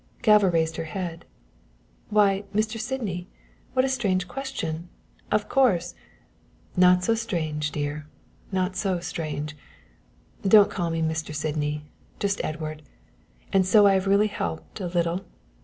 Galva raised her head. "Why, Mr. Sydney, what a strange question of course " "Not so strange, dear, not so strange. Don't call me Mr. Sydney, just Edward. And so I have really helped a little?